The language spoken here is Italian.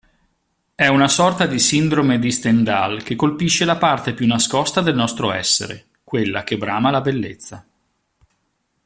È una sorta di sindrome di Stendhal che colpisce la parte più nascosta del nostro essere, quella che brama la bellezza.